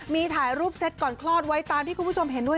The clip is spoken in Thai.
มีถ่ายรูปเซ็ตก่อนคลอดไว้ตามที่คุณผู้ชมเห็นด้วย